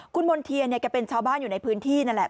คุณมณ์เทียนเนี่ยแกเป็นชาวบ้านอยู่ในพื้นที่นั่นแหละ